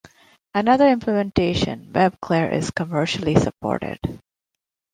Another implementation, WebClaire, is commercially supported.